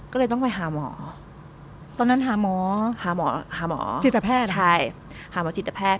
ก็เลยต้องไปหาหมอตอนนั้นหาหมอหาหมอหาหมอจิตแพทย์ใช่หาหมอจิตแพทย